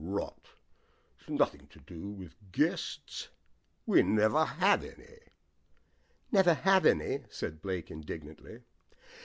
"Rot, it's nothing to do with guests. We never have any." "Never have any!" said Blake indignantly.